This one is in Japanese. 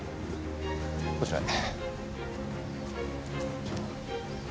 こちらへ。